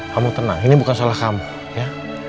kamu tenang ini bukan salah kamu ya